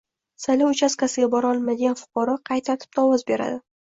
Saylov uchastkasiga bora olmaydigan fuqaro qay tartibda ovoz beradi?